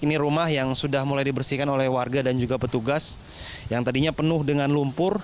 ini rumah yang sudah mulai dibersihkan oleh warga dan juga petugas yang tadinya penuh dengan lumpur